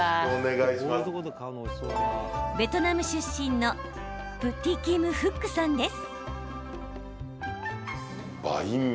ベトナム出身のブ・ティ・キム・フックさんです。